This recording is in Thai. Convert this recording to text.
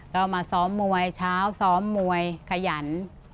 ก็มาซ้อมมวยเช้าซ้อมมวยขยัน